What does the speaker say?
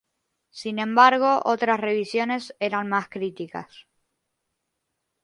Sin embargo, otras revisiones eran más críticas.